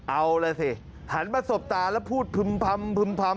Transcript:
เอาล่ะสิหันมาสบตาแล้วพูดพึ่มพำ